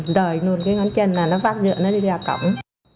rời luôn cái ngón chân là nó vác dựa nó đi ra cổng